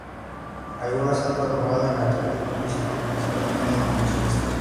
Algunas se han transformado en atractivo turístico, principalmente de coleccionistas.